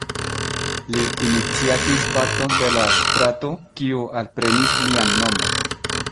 Li iniciatis parton de la strato kiu alprenis lian nomon.